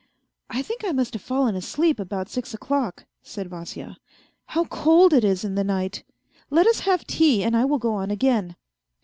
" I think I must have fallen asleep about six o'clock," said Vasya. " How cold it is in the night ! Let us have tea, and I will go on again.